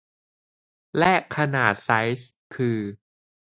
และขนาดไซซ์คือ